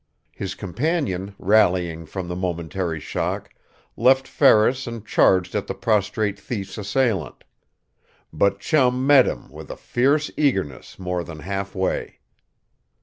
His companion, rallying from the momentary shock, left Ferris and charged at the prostrate thief's assailant. But Chum met him, with a fierce eagerness, more than half way.